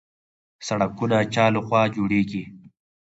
سړکونه چا لخوا جوړیږي؟